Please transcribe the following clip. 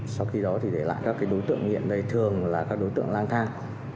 sau khi đó thì để lại các đối tượng nghiện này thường là các đối tượng lang thang